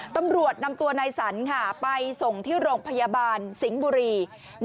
ตำรวจนำตัวนายสันไปส่งที่โรงพยาบาลสิงห์บุรี